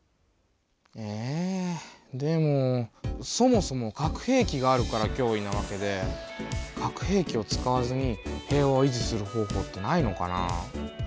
えでもそもそも核兵器があるからきょういなわけで核兵器を使わずに平和を維持する方法ってないのかな？